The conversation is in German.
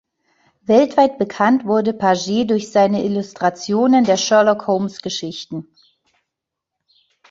Weltweit bekannt wurde Paget durch seine Illustrationen der Sherlock-Holmes-Geschichten.